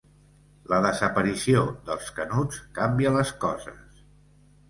La desaparició dels Canuts canvia les coses.